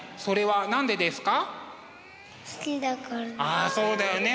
ああそうだよね